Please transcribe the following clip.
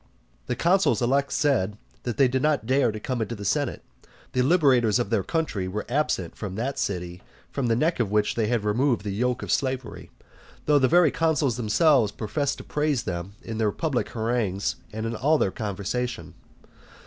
The consuls elect said, that they did not dare to come into the senate. The liberators of their country were absent from that city from the neck of which they had removed the yoke of slavery; though the very consuls themselves professed to praise them in their public harangues and in all their conversation.